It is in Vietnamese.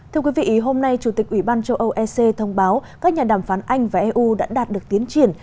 thưa quý vị hôm nay chủ tịch ủy ban châu âu ec thông báo các nhà đàm phán anh và eu đã đạt được tiến triển